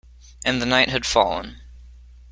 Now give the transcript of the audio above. And the night had fallen.